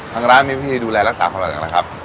ทางร้านมีพิธีดูแลรักษาของเราอย่างไรครับ